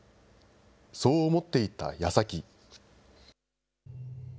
そう思っていた矢先。